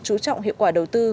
chú trọng hiệu quả đầu tư